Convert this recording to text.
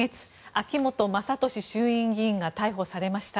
秋本真利衆院議員が逮捕されました。